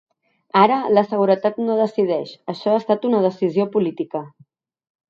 Ara, la seguretat no decideix; això ha estat una decisió política.